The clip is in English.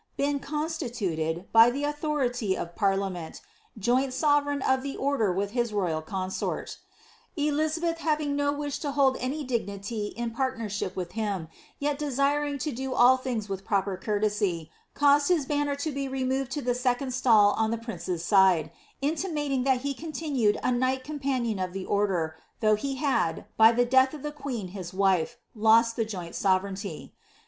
II • Hary, oeen constituted, by the aothority of parlnunont, joint wyvneigv of the order with his royal consort Elizabeth haTinc no wish to hcud any dimity in partnership with him, 3ret desiring to do all things with proper courtesy, caosed his banner to be removed to the second stall ow the princess side^ intimating that he continued a knight companion of tiie order, though he had, by the death of the queen his wife, lost the joint sovereignty.